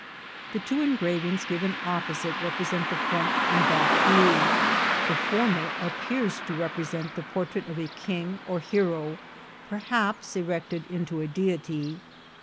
The two engravings given opposite repre sent the front and back view. The former appears to represent the portrait of a king or hero, perhaps erected into a deity.